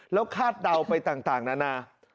แล้วคาดเดาไปต่างนานา